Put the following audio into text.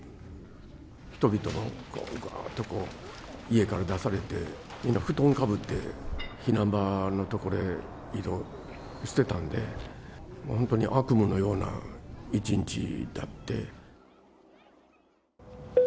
人々ががーっとこう、家から出されて、みんな、布団かぶって、避難場の所へ移動してたんで、本当に悪夢のような一日だって。